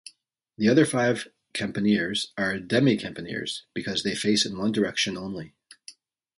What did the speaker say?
The other five caponiers are demi-caponiers because they face in one direction only.